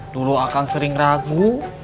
dulu akang sering ragu